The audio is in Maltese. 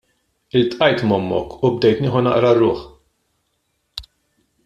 Iltqajt m'ommok u bdejt nieħu naqra r-ruħ.